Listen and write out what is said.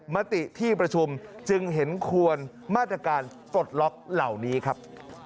มติที่ประชุมจึงเห็นควรมาตรการปลดล็อกเหล่านี้ครับ